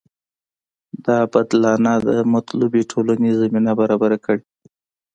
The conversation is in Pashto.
دا بدلانه د مطلوبې ټولنې زمینه برابره کړي.